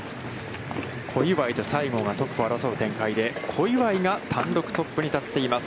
小祝と西郷がトップを争う展開で、小祝が単独トップに立っています。